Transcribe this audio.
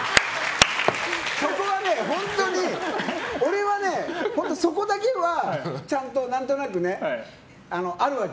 そこは本当に俺はね、そこだけはちゃんと何となく、あるわけ。